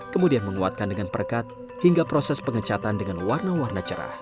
kemudian menguatkan dengan perekat hingga proses pengecatan dengan warna warna cerah